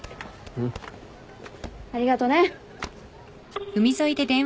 うん。ありがとね！